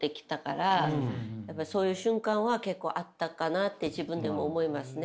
そういう瞬間は結構あったかなって自分でも思いますね。